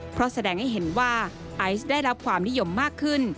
เพราะแสดงให้เห็นว่าไอซ์ได้รับความนิยมมากขึ้น